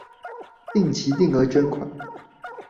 定期定額捐款